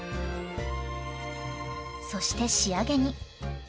そして仕上げに。